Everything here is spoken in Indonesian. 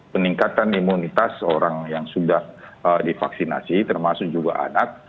peningkatan imunitas orang yang sudah divaksinasi termasuk juga anak